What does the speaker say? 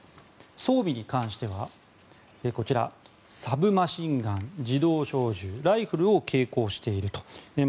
装備に関してはサブマシンガン、自動小銃ライフルを携行しているという。